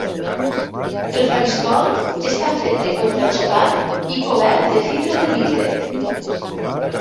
El Faristol està fet de contraxapat i cobert de fibra de vidre.